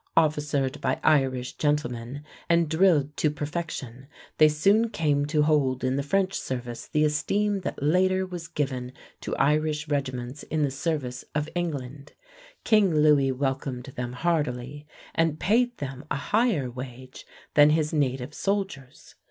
Officered by Irish gentlemen and drilled to perfection, they soon came to hold in the French service the esteem that later was given to Irish regiments in the service of England. King Louis welcomed them heartily and paid them a higher wage than his native soldiers.